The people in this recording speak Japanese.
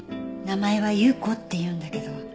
名前は有雨子っていうんだけど。